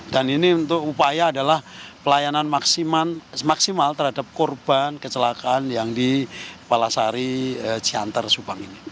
dan ini untuk upaya adalah pelayanan maksimal terhadap korban kecelakaan yang di palasari ciantar subang ini